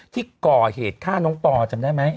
ที่ก่อเหตุข้าน้องปอล์จำได้มั้ย